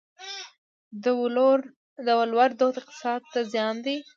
د ولور دود اقتصاد ته زیان دی؟